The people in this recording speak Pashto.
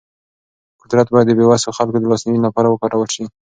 قدرت باید د بې وسو خلکو د لاسنیوي لپاره وکارول شي.